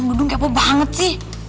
dudung kepo banget sih